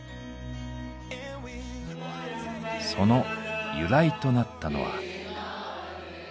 その由来となったのは。